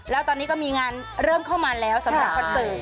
แล้วตอนนี้ก็มีงานเริ่มเข้ามาแล้วสำหรับคอนเสิร์ต